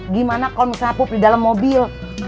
gimana kalau misalnya pup di dalam mobil